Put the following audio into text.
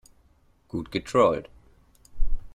Gut getrollt.